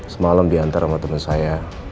semalam di antar sama teman saya